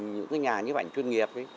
những cái nhà nhấp ảnh chuyên nghiệp